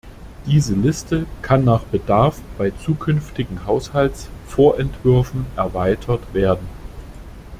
Diese Liste kann nach Bedarf bei zukünftigen Haushaltsvorentwürfen erweitert werden.